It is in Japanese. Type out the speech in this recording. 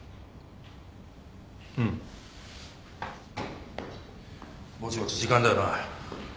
うん。ぼちぼち時間だよな。